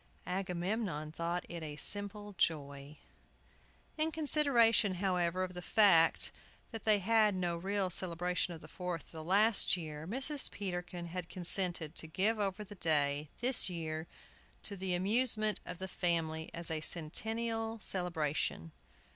Agamemnon thought it a simple joy. In consideration, however, of the fact that they had had no real celebration of the Fourth the last year, Mrs. Peterkin had consented to give over the day, this year, to the amusement of the family as a Centennial celebration.